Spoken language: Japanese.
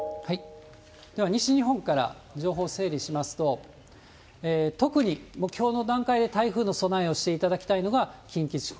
では西日本から情報整理しますと、特に、きょうの段階で台風の備えをしていただきたいのが、近畿地方。